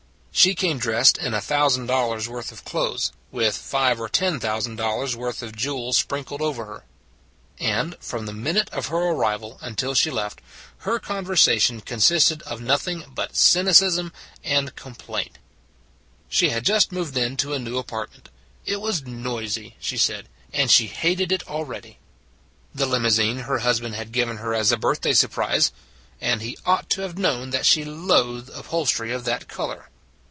She came dressed in a thousand dollars worth of clothes, with five or ten thousand dollars worth of jewels sprinkled over her. And, from the minute of her arrival until she left, her conversation consisted of nothing but cynicism and complaint. She had just moved into a new apart 202 A Limousine and a Tub 203 merit: it was noisy, she said, and she hated it already. The limousine her husband had given her as a birthday surprise and he ought to have known that she loathed upholstery of that color.